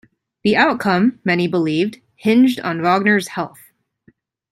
The outcome, many believed, hinged on Wagner's health.